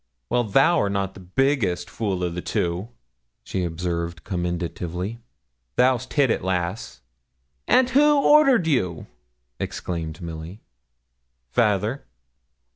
'Well, thou'rt not the biggest fool o' the two,' she observed, commendatively, 'thou'st hit it, lass.' 'And who ordered you?' exclaimed Milly. 'Fayther.'